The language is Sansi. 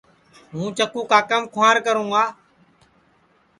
ہوں چکُو کاکام کُھنٚار کروں گا